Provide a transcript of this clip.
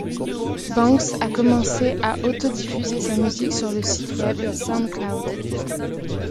Banks a commencé à auto-diffuser sa musique sur le site web SoundCloud.